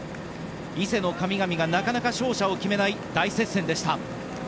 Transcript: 伊勢の神々がなかなか勝者を決めない大接戦でした。